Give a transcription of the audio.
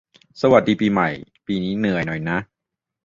สวัสดีปีใหม่ ปีนี้เหนื่อยหน่อยนะ